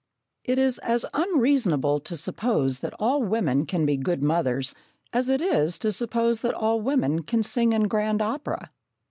It is as unreasonable to suppose that all women can be good mothers as it is to suppose that all women can sing in grand opera.